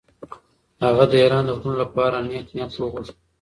هغه د ایران د وروڼو لپاره نېک نیت وغوښت.